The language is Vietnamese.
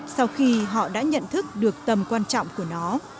sau khi họ đã nhận thức được tầm quan trọng của nó